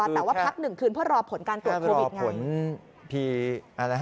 แต่ว่าพัก๑คืนเพื่อรอผลการตรวจโควิดไง